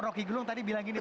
rocky gerung tadi bilang